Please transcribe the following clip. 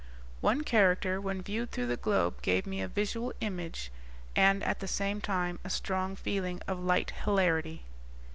"One character when viewed through the globe gave me a visual image and, at the same time, a strong feeling of light hilarity."